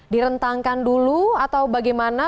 mengenangkan dulu atau bagaimana